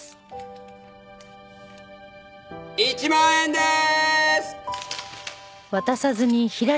１万円でーす！